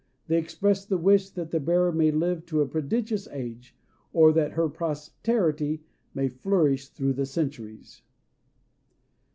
They express the wish that the bearer may live to a prodigious age, or that her posterity may flourish through the centuries.